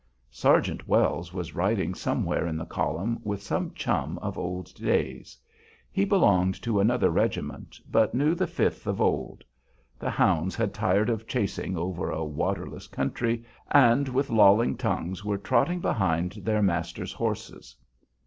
Sergeant Wells was riding somewhere in the column with some chum of old days. He belonged to another regiment, but knew the Fifth of old. The hounds had tired of chasing over a waterless country, and with lolling tongues were trotting behind their masters' horses.